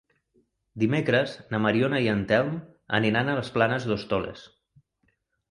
Dimecres na Mariona i en Telm aniran a les Planes d'Hostoles.